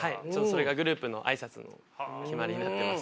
それがグループの挨拶の決まりになってます。